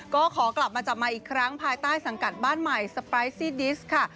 ก็ขอกลับมาจับใหม่อีกครั้งภายใต้สังกัดบ้านใหม่สไปซี่ดิสค่ะ